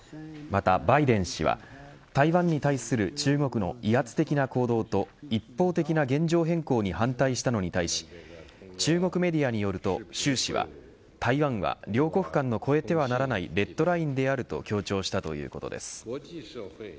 またバイデン氏は台湾に対する中国の威圧的な行動と一方的な現状変更に反対したのに対し中国メディアによると習氏は台湾は両国間の超えてはならないレッドラインであると強調したということです。